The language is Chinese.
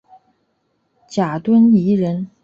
贾敦颐人。